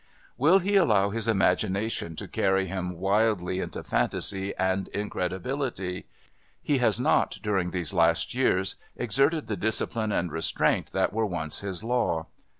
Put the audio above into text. Will he allow his imagination to carry him wildly into fantasy and incredibility? He has not, during these last years, exerted the discipline and restraint that were once his law.